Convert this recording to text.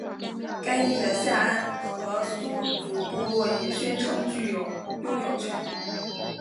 该地的夏安河苏族部落也宣称具有拥有权。